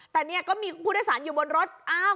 แต่เนี่ยก็มีผู้โดยสารอยู่บนรถ